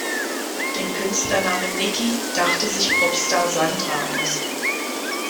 Den Künstlernamen „Nicki“ dachte sich Popstar Sandra aus.